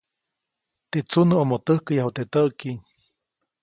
Teʼ tsunuʼomo täjkäyu teʼ täʼki.